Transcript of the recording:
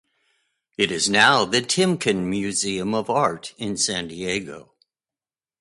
It is now in the Timken Museum of Art in San Diego.